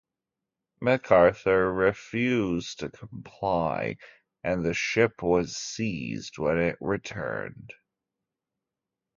Macarthur refused to comply and the ship was seized when it returned.